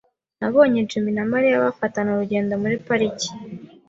Nabonye Jim na Mariya bafatana urugendo muri parike.